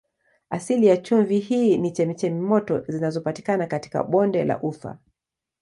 Asili ya chumvi hii ni chemchemi moto zinazopatikana katika bonde la Ufa.